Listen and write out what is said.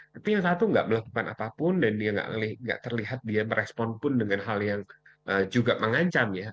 tapi yang satu nggak melakukan apapun dan dia nggak terlihat dia merespon pun dengan hal yang juga mengancam ya